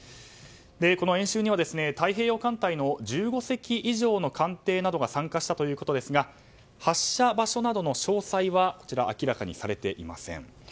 この演習には太平洋艦隊の１５隻以上の艦艇などが参加したということですが発射場所などの詳細は明らかにされていません。